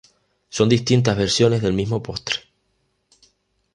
Son distintas versiones del mismo postre.